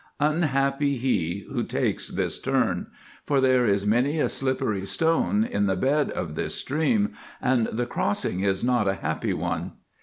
Unhappy he who takes this turn, for there is many a slippery stone in the bed of this stream and the crossing is not a happy one.